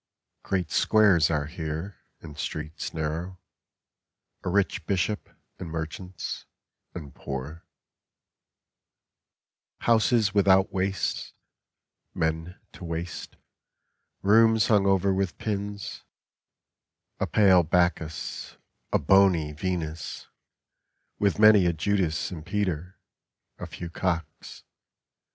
GREAT squares are here, and streets narrow, A rich bishop, and merchants, and poor, Houses without waists, men to waste, Rooms hung over with pins, A pale Bacchus, a bony Venus, With many a Judas and Peter; a few cocks.